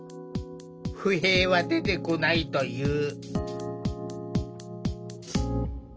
不平は出てこないという。